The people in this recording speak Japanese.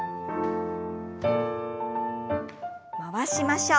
回しましょう。